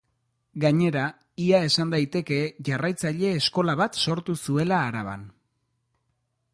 Gainera, ia esan daiteke jarraitzaile eskola bat sortu zuela Araban.